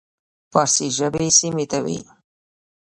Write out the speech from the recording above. فارسي ژبې سیمې وې.